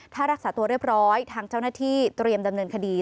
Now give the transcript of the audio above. ถ้ารักษาตัวเรียบร้อยทางเจ้าหน้าที่เตรียมดำเนินคดี